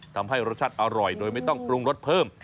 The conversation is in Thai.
ทำให้รสชาติอร่อยโดยไม่ต้องปรุงรสเพิ่ม